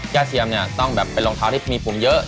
เทียมเนี่ยต้องแบบเป็นรองเท้าที่มีผมเยอะ